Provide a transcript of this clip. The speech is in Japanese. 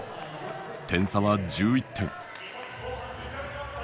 点差は１１点。